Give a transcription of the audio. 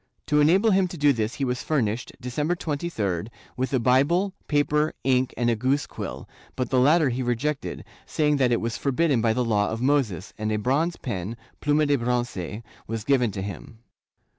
To enable him to do this he was furnished, December 23d, with a Bible, paper, ink and a goose quill, but the latter he rejected, saying that it was forbidden by the Law of Moses, and a bronze pen (pluma de bronce) was given to him.